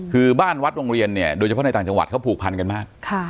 คือบ้านวัดโรงเรียนเนี่ยโดยเฉพาะในต่างจังหวัดเขาผูกพันกันมาก